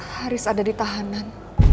haris ada ditahanan